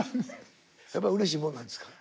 やっぱうれしいもんなんですか？